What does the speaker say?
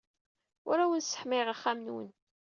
Ur awen-sseḥmayeɣ axxam-nwen.